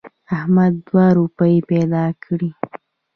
احمد دوه روپۍ پیدا کړې.